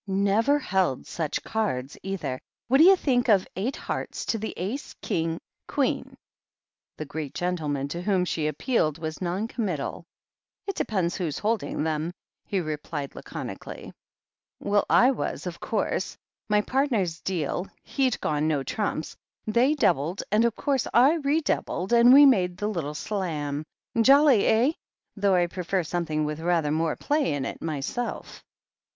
"Never held such cards, either. What do you think of eight hearts to the Ace, King, Queen ?" The Greek gentleman, to whom she appealed, was non committal. "It depends who was holding them," he replied lacon ically. "Well, I was, of course. My partner's deal — ^he'd ISO THE HEEL OF ACHILLES gone no trumps; they doubled, and of course I re doubled, and we made the little slam. Jolly, eh ? though I prefer something with rather more play in it, my self."